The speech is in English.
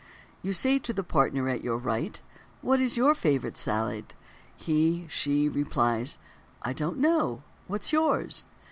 _ You say to the partner at your right: "What is your favorite salad?" She (he) replies: "I don't know, what's yours?"